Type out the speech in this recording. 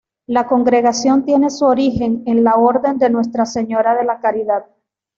La congregación tiene su origen en la Orden de Nuestra Señora de la Caridad.